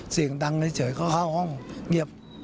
เสียงดังเฉยเขาเข้าห้องเงียบ